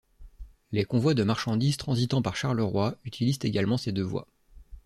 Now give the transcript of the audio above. Les convois de marchandises transitant par Charleroi utilisent également ces deux voies.